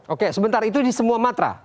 oke sebentar itu di semua matra